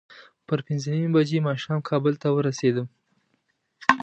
پر پینځه نیمې بجې ماښام کابل ته ورسېدم.